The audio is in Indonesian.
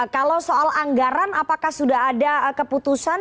kalau soal anggaran apakah sudah ada keputusan